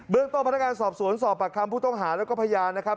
เรื่องต้นพนักงานสอบสวนสอบปากคำผู้ต้องหาแล้วก็พยานนะครับ